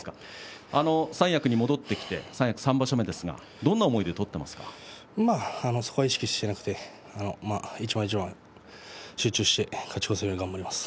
三役に戻ってきて三役３場所目ですがそこは意識していなくて一番一番集中して勝ち越せるように頑張ります。